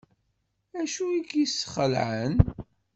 Acu i k-yesxelεen?